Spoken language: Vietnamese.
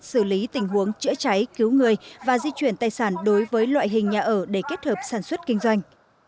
xử lý tình huống chữa cháy cứu người và di chuyển tài sản đối với loại hình nhà ở để kết hợp sản xuất kinh doanh